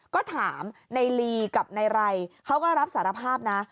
ก็ถามในลีกับนายไรเขาก็รับสารภาพนะ